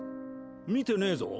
見てねえぞ。